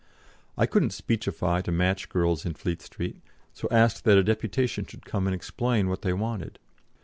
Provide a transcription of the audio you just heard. I couldn't speechify to match girls in Fleet Street, so asked that a deputation should come and explain what they wanted.